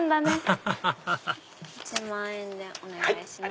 アハハハ１万円でお願いします。